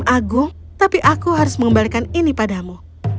tuan hakim agung tapi aku harus mengembalikan ini padamu